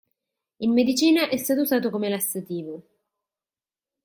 In medicina è stato usato come lassativo.